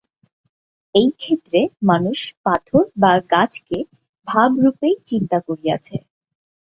এই ক্ষেত্রে মানুষ পাথর বা গাছকে ভাবরূপেই চিন্তা করিয়াছে।